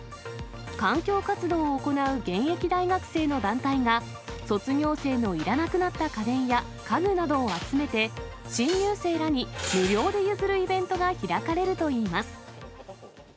環境活動を行う現役大学生の団体が、卒業生のいらなくなった家電や家具などを集めて、新入生らに無料で譲るイベントが開かれるといいます。